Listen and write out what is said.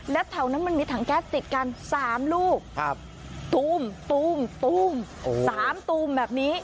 และแถวนั้นมันมีถังแก๊สติดกัน๓ลูกตูม๓ตูมแบบนี้